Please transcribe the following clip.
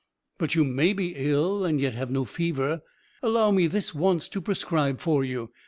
"But you may be ill and yet have no fever. Allow me this once to prescribe for you.